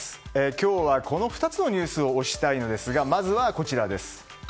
今日はこの２つのニュースを推したいのですが、まずはこちら。